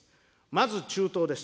まず中東です。